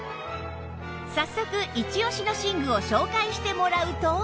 早速イチオシの寝具を紹介してもらうと